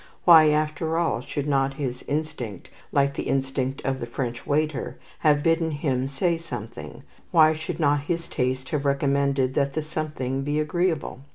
Why, after all, should not his instinct, like the instinct of the French waiter, have bidden him say something; why should not his taste have recommended that the something be agreeable?